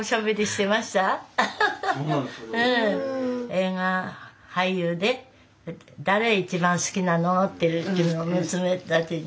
映画俳優で誰一番好きなのって言うの娘たちに。